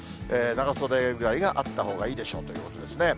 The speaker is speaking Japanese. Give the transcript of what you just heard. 長袖ぐらいがあったほうがいいでしょうということですね。